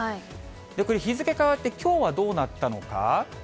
これ、日付変わってきょうはどうなったのか。